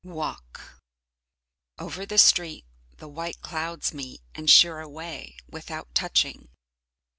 Walk Over the street the white clouds meet, and sheer away without touching.